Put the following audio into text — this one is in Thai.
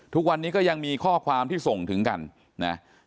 ทุกวันนี้ก็ยังมีข้อความที่ส่งถึงกันนะ